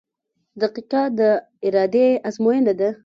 • دقیقه د ارادې ازموینه ده.